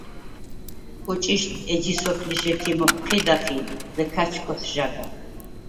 კუჭიშდ ეჯი სოფლიშ ექიმ ოხჴიდახ ი ლჷქა̈ჩ ქოთჟაგახ.